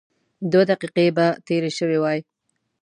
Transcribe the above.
دوه دقيقې به تېرې شوې وای.